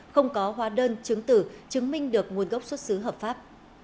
không có hóa đơn chứng tử chứng minh được nguồn gốc xuất xứ hợp pháp